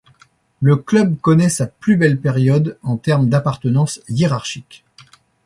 Le club connaît sa plus belle période en termes d'appartenance hiérarchique.